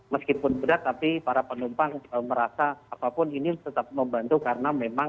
meskipun berat tapi para penumpang merasa apapun ini tetap membantu karena memang